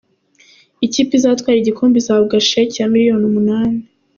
Ikipe izatwara igikombe izahabwa sheki ya miliyoni umunani.